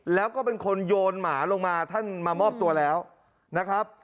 แล้วก็เป็นคนโยนหมาลงมาท่านมามอบตัวแล้วนะครับ